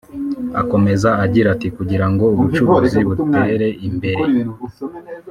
Akomeza agira ati “Kugira ngo ubucuruzi butere imbere